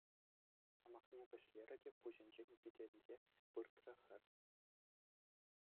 Сӑмахне вӗҫлерӗ те пуҫӗнчен витӗнсе выртрӗ хӗр.